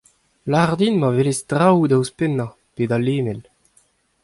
lavar din ma welez traoù da ouzhpennañ (pe da lemel).